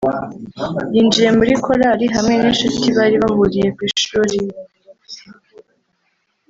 yinjiye muri Kolari hamwe n’inshuti bari bahuriye ku ishuri